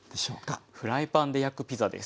フライパンで焼くピザです。